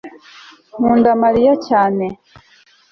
Nkunda Mariya cyane